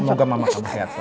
semoga mama kamu sehat pak